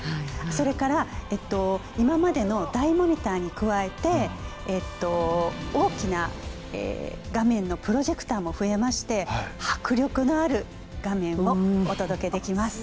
それから今までの大モニターに加えて大きな画面のプロジェクターも増えまして迫力のある画面をお届けできます。